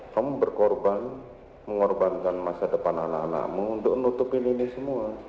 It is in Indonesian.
kamu berkorban mengorbankan masa depan anak anakmu untuk nutupin ini semua